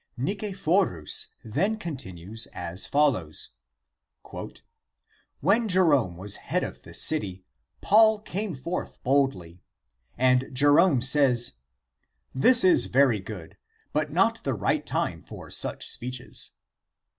Nicephorus then continues as follows :" When Jerome was head of the city, Paul came forth boldly. And he (Jerome) said, ' This is very good, but not the right time for such speeches.'